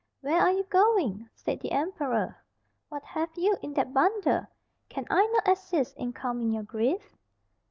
"Where are you going?" said the emperor. "What have you in that bundle? Can I not assist in calming your grief?"